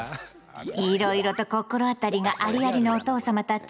いろいろと心当たりがありありのお父様たち。